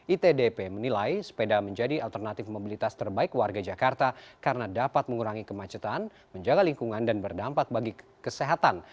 itdp menilai sepeda menjadi alternatif mobilitas terbaik warga jakarta karena dapat mengurangi kemacetan menjaga lingkungan dan berdampak bagi kesehatan